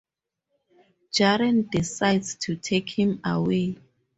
Jaren decides to take him away.